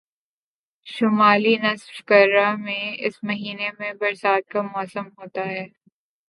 شمالی نصف کرہ میں اس مہینے میں برسات کا موسم ہوتا ہے